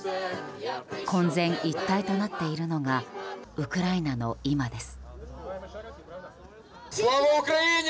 混然一体となっているのがウクライナの今です。